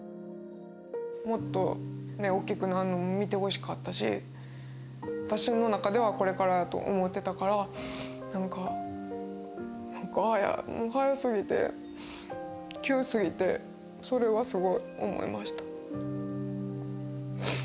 もっと大きくなるのを見てほしかったし、私の中では、これからやと思ってたから、なんか、早すぎて、急すぎて、それはすごい思いました。